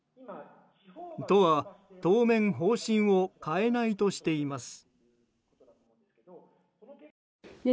都は、当面方針を変えないとしています。